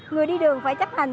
người đi đường phải chấp hành